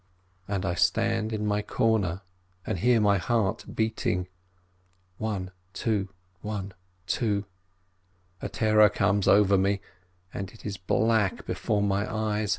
And I stand in my corner and hear my heart beating : one — two — one — two. A terror comes over me, and it is black before my eyes.